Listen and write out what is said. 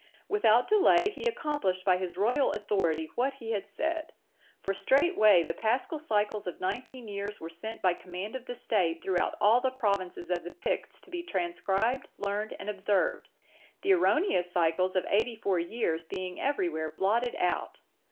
Without delay he accomplished by his royal authority what he had said. For straightway the Paschal cycles of nineteen years were sent by command of the State throughout all the provinces of the Picts to be transcribed, learned, and observed, the erroneous cycles of eighty four years being everywhere blotted out.